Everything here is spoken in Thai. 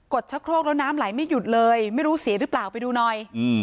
ชะโครกแล้วน้ำไหลไม่หยุดเลยไม่รู้เสียหรือเปล่าไปดูหน่อย